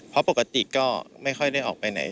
เพราะปกติก็ไม่ค่อยได้ออกไปไหน